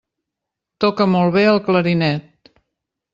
Toca molt bé el clarinet.